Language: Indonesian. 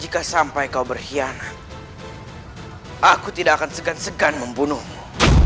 jika sampai kau berkhianat aku tidak akan segan segan membunuhmu